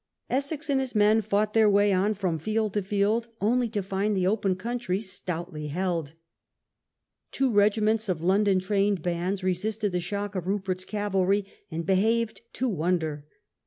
Essex and his men fought their way on from field to field only to find the open country stoutly held. "^ Two regiments of London trained bands resisted the shock of Rupert's cavalry and behaved " to wonder".